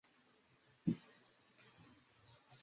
答里必牙二世是是实皆开国君主修云的幼子。